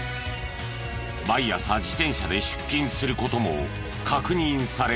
毎朝自転車で出勤する事も確認されている。